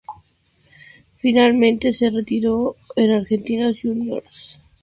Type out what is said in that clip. Finalmente se retiró en Argentinos Juniors.